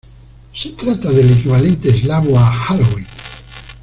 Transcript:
Se trata del equivalente eslavo a Halloween.